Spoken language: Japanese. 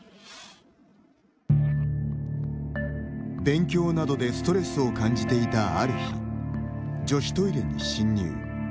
勉強などでストレスを感じていたある日女子トイレに侵入。